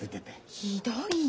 ひどいよ。